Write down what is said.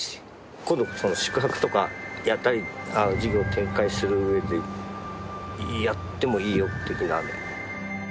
今度宿泊とかやったり事業を展開する上でやってもいいよ的なね。